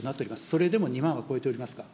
それでも２万は超えておりますが。